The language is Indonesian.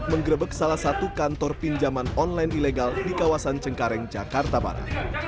menggerebek salah satu kantor pinjaman online ilegal di kawasan cengkareng jakarta barat